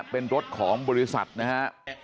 เป็นรถของบริษัทนะฮะ